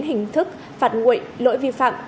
hình thức phạt nguội lỗi vi phạm